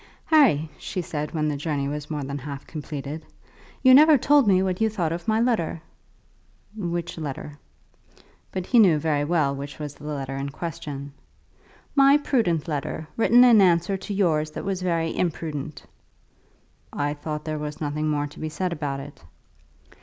"Harry," she said, when the journey was more than half completed, "you never told me what you thought of my letter." "Which letter?" But he knew very well which was the letter in question. "My prudent letter, written in answer to yours that was very imprudent." "I thought there was nothing more to be said about it."